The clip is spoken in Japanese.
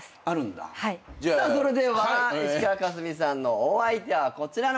さあそれでは石川佳純さんのお相手はこちらの方です。